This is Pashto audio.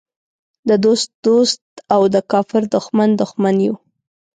د دوست دوست او د کافر دښمن دښمن یو.